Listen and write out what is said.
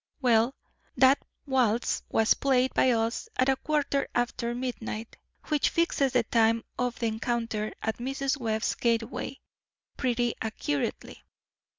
Well, that waltz was played by us at a quarter after midnight, which fixes the time of the encounter at Mrs. Webb's gateway pretty accurately.